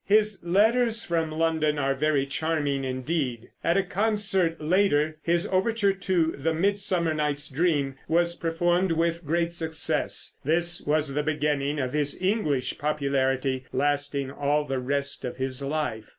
His letters from London are very charming indeed. At a concert later, his overture to "The Midsummer Night's Dream" was performed with great success; this was the beginning of his English popularity, lasting all the rest of his life.